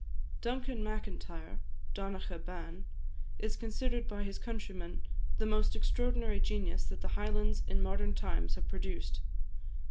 Duncan Macintyre (Donacha Ban) is considered by his countrymen the most extraordinary genius that the Highlands in modern times have produced.